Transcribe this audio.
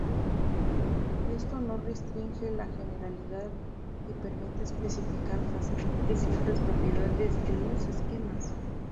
Esto no restringe la generalidad, y permite especificar fácilmente ciertas propiedades de los esquemas.